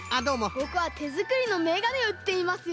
ぼくはてづくりのめがねをうっていますよ。